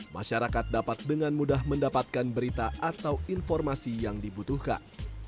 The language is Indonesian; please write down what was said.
masyarakat dapat dengan mudah mendapatkan berita atau informasi yang dibutuhkan